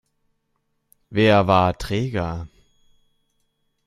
Wer war träger?